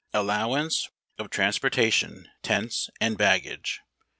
357 Allowance of Transportation, Tents, and Baggage.